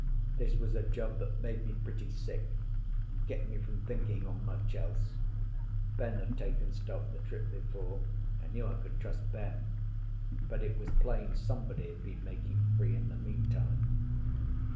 This was a job that made me pretty sick, and kept me from thinking on much else. Ben had taken stock the trip before—I knew I could trust Ben—but it was plain somebody had been making free in the meantime.